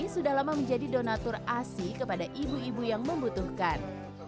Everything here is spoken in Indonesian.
sudah lama menjadi donatur asi kepada ibu ibu yang membutuhkan